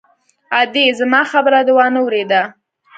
_ادې! زما خبره دې وانه ورېده!